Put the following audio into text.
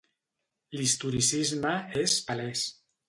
L'historicisme és palès.